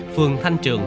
vườn thanh trường